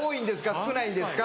少ないんですか？